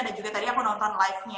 dan juga tadi aku nonton live nya